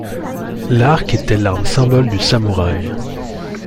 L'arc était l'arme symbole du samouraï.